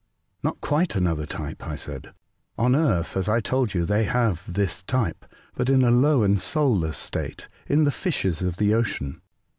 '' Not quite another type," I said. '' On earth, as I told you, they have this type, but in a low and soulless state, in the fishes of the. ocean.